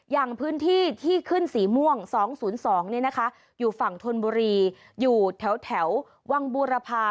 อย่างพื้นที่ที่ขึ้นสีม่วง๒๐๒อยู่ฝั่งธนบุรีอยู่แถววังบูรพา